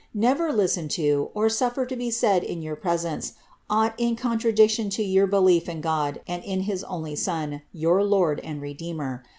Never listen to, or snfier to be said in your presence, aught in contradiction to yoiur belief in Go<l and in his only Son, your Lord and Redeemer.